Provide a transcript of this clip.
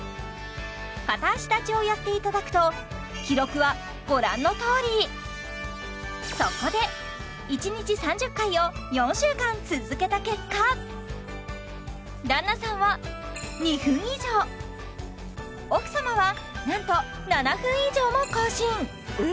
片足立ちをやっていただくと記録はご覧のとおりそこで一日３０回を４週間続けた結果旦那さんは２分以上奥様はなんと７分以上も更新え！